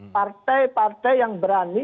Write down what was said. partai partai yang berani